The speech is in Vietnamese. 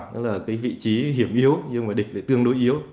đó là cái vị trí hiểm yếu nhưng mà địch tương đối yếu